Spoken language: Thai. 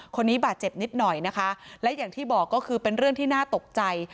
คนนี้บาดเจ็บนิดหน่อยนะคะและอย่างที่บอกก็คือเป็นเรื่องที่น่าตกใจ